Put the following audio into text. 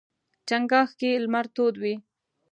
چنګاښ کې لمر تود وي.